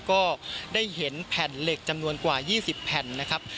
ก็ได้เห็นแผ่นเหล็กจำนวนกว่า๒๐แผ่นนะครับ